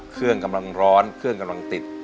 กำลังร้อนเครื่องกำลังติด